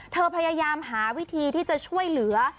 พยายามหาวิธีที่จะช่วยเหลือ